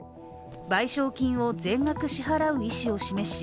賠償金を全額支払う意思を示し